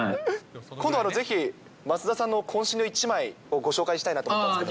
今度ぜひ、増田さんのこん身の１枚をご紹介したいと思いますけど。